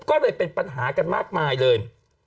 ก็เลยเป็นปัญหากันมากมายเลย